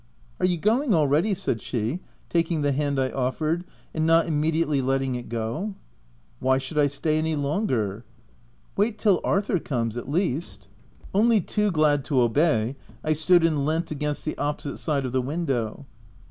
"Are you going already?" said she, taking the hand I offered, and not immediately letting at go u Why should I stay any longer?'* " Wait till Arthur comes, at least.'' Only too glad to obey, I stood and leant against the opposite side of the window.